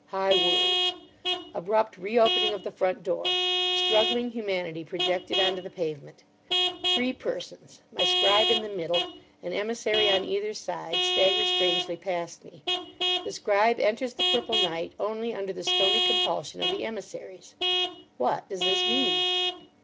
High words. Abrupt re opening of the front door. Struggling humanity projected on to the pavement. Three persons—my scribe in the middle, an emissary on either side—stagger strangely past me. The scribe enters the purple night only under the stony compulsion of the emissaries. What does this mean?